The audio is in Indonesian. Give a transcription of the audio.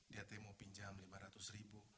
dia teh mau pinjam lima ratus ribu